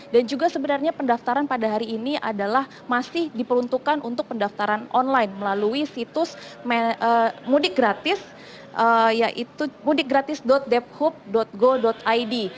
dan juga sebenarnya pendaftaran pada hari ini adalah masih diperuntukkan untuk pendaftaran online melalui situs mudik gratis yaitu mudikgratis debhub go id